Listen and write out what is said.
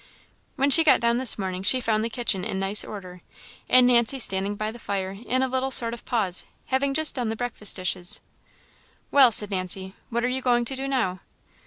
When she got down this morning she found the kitchen in nice order, and Nancy standing by the fire in a little sort of pause, having just done the breakfast dishes. "Well!" said Nancy "what are you going to do now?"